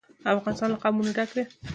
افغانستان له قومونه ډک دی.